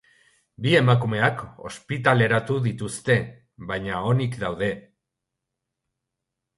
Bi emakumeak ospitaleratu dituzte, baina onik daude.